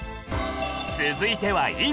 続いては